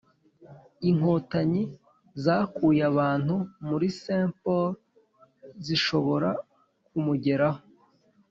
Inkotanyi zakuye abantu muri St Paul zishobora kumugeraho